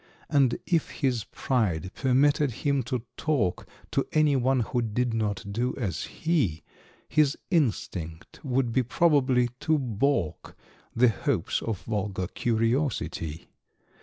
And if his pride permitted him to talk `To any one who did not do as he, His instinct would be, probably, to balk `The hopes of vulgar curiosity.